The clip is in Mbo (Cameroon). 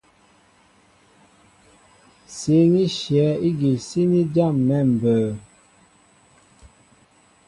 Sǐn í shyɛ̌ ígi síní jâm̀ɛ̌ mbə̌.